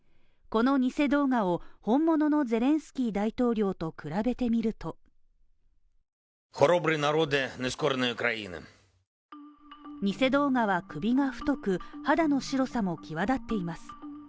この偽動画を本物のゼレンスキー大統領と比べてみると偽動画は首が太く、肌の白さも際立っています。